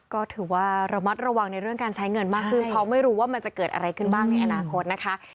ก็ถือว่าระมัดระวังในเรื่องการใช้เงินมากขึ้นเพราะไม่รู้ว่ามันจะเกิดอะไรขึ้นบ้างในอนาคตนะคะ